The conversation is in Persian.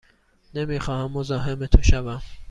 نمی خواهم مزاحم تو شوم.